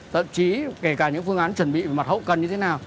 thậm chí kể cả những phương án chuẩn bị về mặt hậu cần như thế nào